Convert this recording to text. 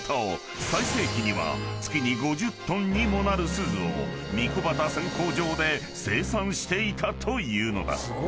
［最盛期には月に５０ｔにもなる錫を神子畑選鉱場で生産していたというのだ］